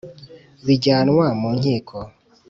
bijyanwa mu nkiko.